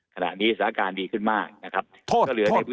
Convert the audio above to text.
ขณะนี้สถานการณ์ดีขึ้นมากนะครับ